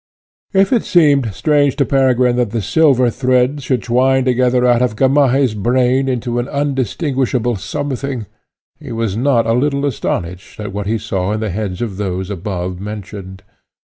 If it seemed strange to Peregrine that the silver threads should twine together out of Gamaheh's brain into an undistinguishable something, he was not a little astonished at what he saw in the heads of those above mentioned.